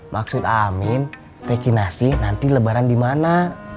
maksud amin teh kinasi nanti lebaran dimana